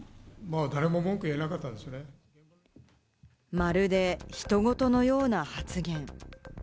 まるで他人事のような発言。